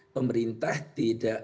pemerintah tidak mau